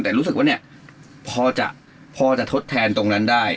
แต่รู้สึกว่าเนี่ยพอจะทดแทนตรงนั้นได้